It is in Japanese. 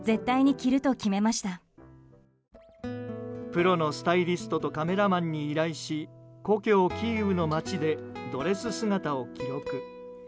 プロのスタイリストとカメラマンに依頼し故郷キーウの街でドレス姿を記録。